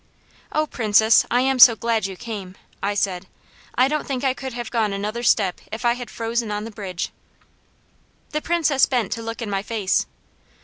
"Oh Princess, I am so glad you came," I said. "I don't think I could have gone another step if I had frozen on the bridge." The Princess bent to look in my face.